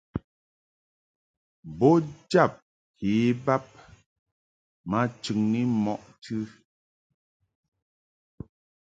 Bo jab ke bab ma chɨŋni mɔʼ tɨ.